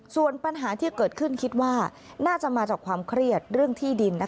ส่วนปัญหาที่เกิดขึ้นคิดว่าน่าจะมาจากความเครียดเรื่องที่ดิน